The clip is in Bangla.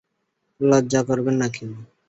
লজ্জা করবেন না কেউ।